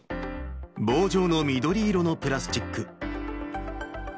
棒状の緑色のプラスチック。